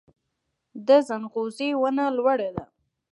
د ځنغوزي ونه لوړه ده